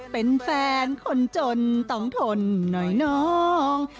เป็นแฟนคนจนต้องทนหน่อยน้อง